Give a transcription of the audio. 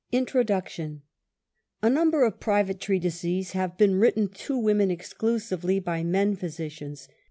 Introduction, A number of "private treatises" have been written '''to women exclusively," by men physicians.